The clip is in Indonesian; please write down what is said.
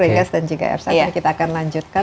prek as dan juga fsatnya kita akan lanjutkan